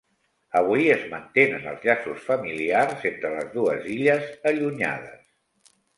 Avui es mantenen els llaços familiars entre les dues illes allunyades.